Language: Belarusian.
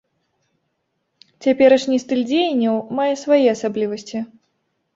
Цяперашні стыль дзеянняў мае свае асаблівасці.